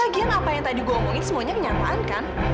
lagian apa yang tadi gue omongin semuanya kenyataan kan